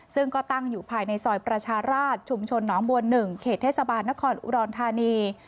ซึ่งก็ตั้งอยู่ภายในซอยประชาราชชุมชนหนองบัว๑เขตเทศบาลนครอุดรธานี